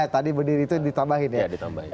tadi berdiri itu ditambahin ya ditambahin